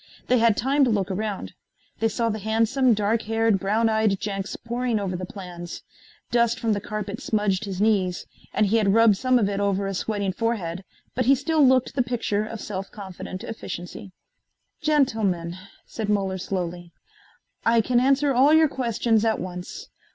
They had time to look around. They saw the handsome, dark haired, brown eyed Jenks poring over the plans. Dust from the carpet smudged his knees, and he had rubbed some of it over a sweating forehead, but he still looked the picture of self confident efficiency. "Gentlemen," said Muller slowly, "I can answer all your questions at once.